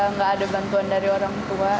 nggak ada bantuan dari orang tua